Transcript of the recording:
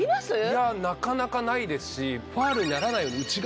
いやなかなかないですし。